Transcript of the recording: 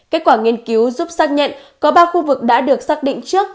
kết quả nghiên cứu giúp xác nhận có ba khu vực đã được xác định trước